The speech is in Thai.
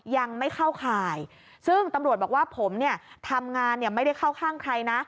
ยังไม่เข้าข่ายซึ่งตำรวจบอกว่าผมเนี่ยทำงานเนี่ยไม่ได้เข้าข้างใครนะ